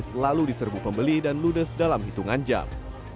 selalu diserbu pembeli dan ludes dalam hitungan jam